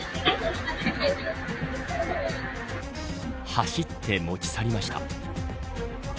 走って持ち去りました。